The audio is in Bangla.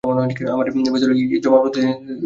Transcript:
আর ইতরে জনাঃ প্রতিদিন চলে দস্তুরের দাগা বুলিয়ে।